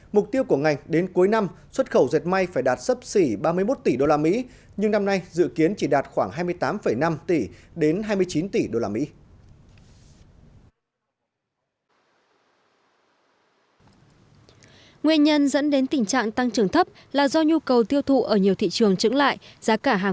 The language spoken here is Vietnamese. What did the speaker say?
mục tiêu của ngành đến cuối năm xuất khẩu dệt may phải đạt sấp xỉ ba mươi một tỷ usd nhưng năm nay dự kiến chỉ đạt khoảng hai mươi tám năm tỷ đến hai mươi chín tỷ usd